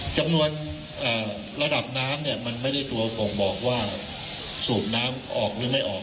จำนวนระดับน้ำเนี่ยมันไม่ได้ตัวบ่งบอกว่าสูบน้ำออกหรือไม่ออก